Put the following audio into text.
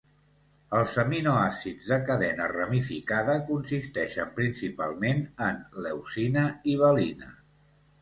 Els aminoàcids de cadena ramificada consisteixen principalment en leucina i valina.